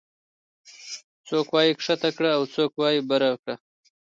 څوک وايي ښکته کړه او څوک وايي چې بره کړه